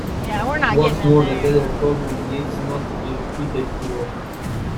What more the letter told me needs not to be repeated here.